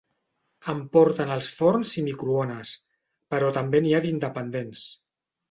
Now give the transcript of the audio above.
En porten els forns i microones, però també n'hi ha d'independents.